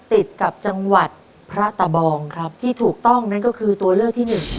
ติดกับจังหวัดพระตะบองครับที่ถูกต้องนั่นก็คือตัวเลือกที่หนึ่ง